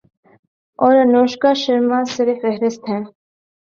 اور انوشکا شرما سرِ فہرست ہیں